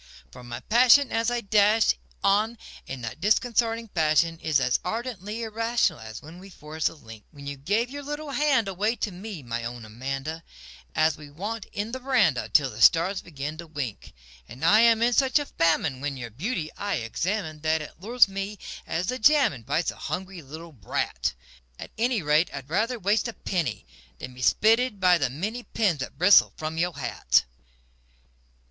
For my passion as I dash on in that disconcerting fashion Is as ardently irrational as when we forged the link When you gave your little hand away to me, my own Amanda An we sat 'n the veranda till the stars began to wink. And I am in such a famine when your beauty I examine That it lures me as the jam invites a hungry little brat; But I fancy that, at any rate, I'd rather waste a penny Than be spitted by the many pins that bristle from your hat.